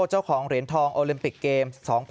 เจ้าของเหรียญทองโอลิมปิกเกมส์๒๐๑๖